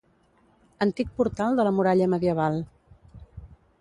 Antic portal de la muralla medieval.